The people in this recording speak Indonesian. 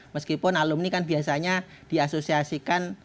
meskipun alumni kan biasanya diasosiasikan